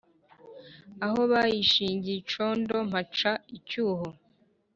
Aho bayishingiye icondo mpaca icyuho,